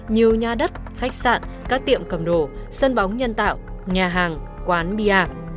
nhiều nhà đất khách sạn các tiệm cầm đồ sân bóng nhân tạo nhà hàng quán bia